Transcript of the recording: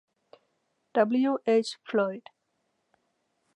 W. H. Floyd.